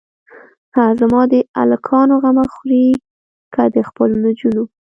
هه زما د الکانو غمه خورې که د خپلو جونو.